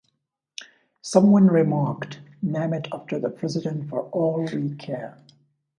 Someone remarked, Name it after the president for all we care.